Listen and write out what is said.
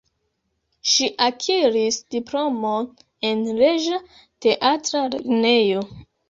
Ŝi akiris diplomon en Reĝa Teatra Lernejo.